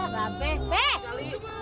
bap b b b